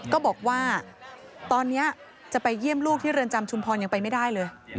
ก็บอกว่าตอนนี้จะไปเยี่ยมลูกที่เรือนจำชุมพรยังไปไม่ได้เลย